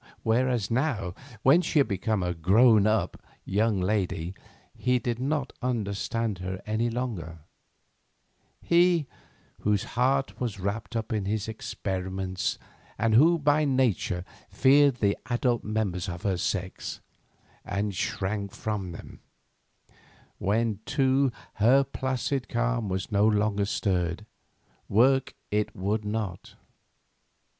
Whereas now, when she had become a grown up young lady, he did not understand her any longer—he, whose heart was wrapped up in his experiments, and who by nature feared the adult members of her sex, and shrank from them; when, too, her placid calm was no longer stirred, work it would not.